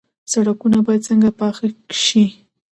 سړکونه باید څنګه پاخه شي؟